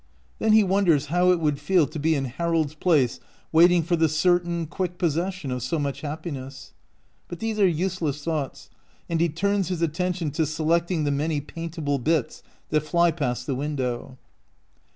Then he wonders how it would feel to be in Harold's place waiting for the certain, quick possession of so much happiness. But these are useless thoughts, and he turns his attention to selecting the many paintable bits that fly past the win dow.